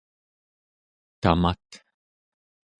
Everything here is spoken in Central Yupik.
tamat